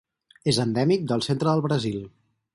És endèmic del centre del Brasil.